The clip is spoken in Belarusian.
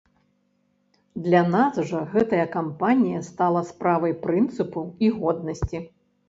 Для нас жа гэтая кампанія стала справай прынцыпу і годнасці.